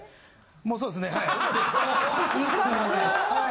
もうそうっすねはい。